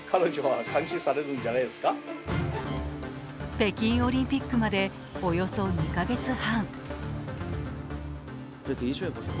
北京オリンピックまで、およそ２カ月半。